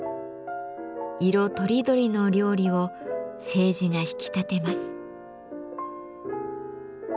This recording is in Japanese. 色とりどりの料理を青磁が引き立てます。